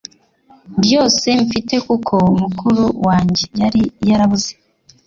byose mfite kuko mukuru wanjye yari yarabuze